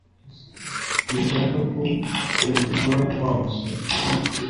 Sinshaka ko ubikora Wa musore